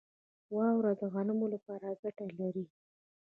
واوره د غنمو لپاره ګټه لري.